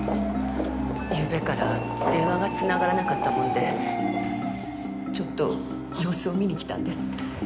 ゆうべから電話が繋がらなかったもんでちょっと様子を見に来たんです。